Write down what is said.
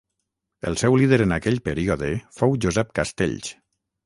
El seu líder en aquell període fou Josep Castells.